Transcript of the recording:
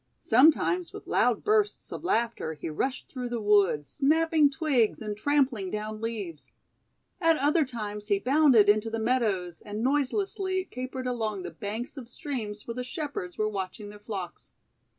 Sometimes with loud bursts of laughter he rushed through the woods, snapping twigs and trampling down leaves. At other times he bounded into the meadows, and noiselessly capered along the banks of streams where the Shepherds were watching their flocks.